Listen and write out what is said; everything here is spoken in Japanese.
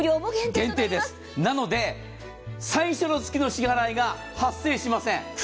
なので、最初月の支払いが発生しません。